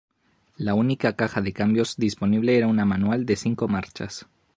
La única caja de cambios disponible era una manual de cinco marchas.